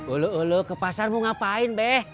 ulu ulu ke pasar mau ngapain beh